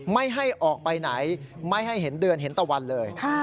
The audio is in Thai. ไม่ให้ออกไปไหนไม่ให้เห็นเดือนเห็นตะวันเลย